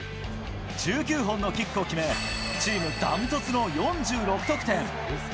１９本のキックを決め、チーム断トツの４６得点。